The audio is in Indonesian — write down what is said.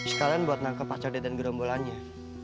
sekalian buat nangkep pacar dia dan gerombolannya